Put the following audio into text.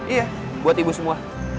iya buat ibu semua